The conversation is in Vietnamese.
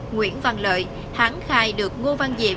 nguyễn văn lợi hãng khai được ngô văn diệm